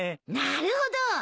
なるほど。